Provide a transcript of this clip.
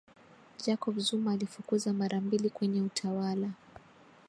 jacob zuma alifukuza mara mbili kwenye utawala